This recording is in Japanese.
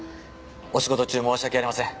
お仕事中申し訳ありません。